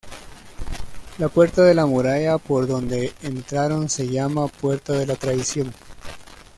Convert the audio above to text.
La puerta de la muralla por donde entraron se llama Puerta de la Traición.